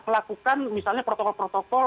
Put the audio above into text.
melakukan misalnya protokol protokol